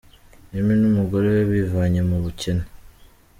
Remy n’umugore we bivanye mu bukene.